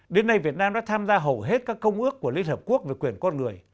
đến nay việt nam đã tham gia hầu hết các công ước của lhq về quyền con người